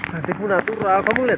nanti pun natural kamu lihat